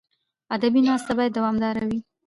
ادبي ناسته باید دوامداره وي.